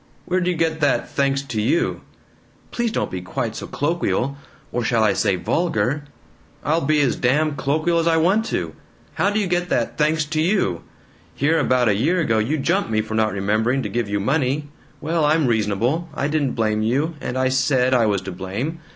"Where d' you get that 'thanks to you'?" "Please don't be quite so colloquial or shall I say VULGAR?" "I'll be as damn colloquial as I want to. How do you get that 'thanks to you'? Here about a year ago you jump me for not remembering to give you money. Well, I'm reasonable. I didn't blame you, and I SAID I was to blame.